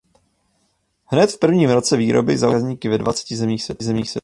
Hned v prvním roce výroby zaujal zákazníky ve dvaceti zemích světa.